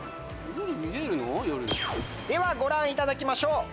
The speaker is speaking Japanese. ではご覧いただきましょう。